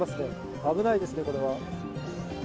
危ないですね、これは。